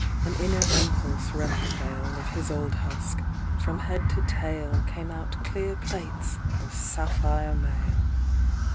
"An inner impulse rent the veil Of his old husk: from head to tail Came out clear plates of sapphire mail.